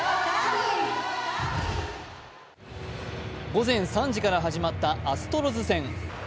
午前３時から始まったアストロズ戦。